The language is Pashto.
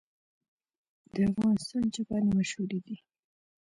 د افغانستان چپنې مشهورې دي